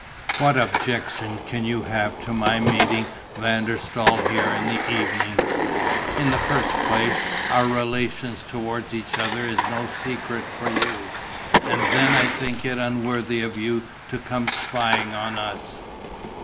What objection can you have to my meeting Van der Staal here in the evening? In the first place, our relation towards each other is no secret for you. And then I think it unworthy of you to come spying on us."